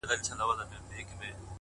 لرغوني معبدونه ځانګړی ښکلا لري